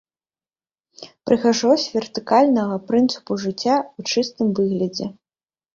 Прыгажосць вертыкальнага прынцыпу жыцця ў чыстым выглядзе!